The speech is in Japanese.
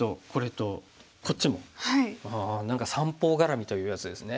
何か三方ガラミというやつですね。